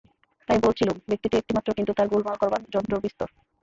তাই বলছিলুম, ব্যক্তিটি একটিমাত্র কিন্তু তার গোলমাল করবার যন্ত্র বিস্তর।